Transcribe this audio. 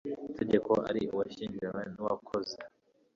tegeko ari uwashyingiranywe n uwakoze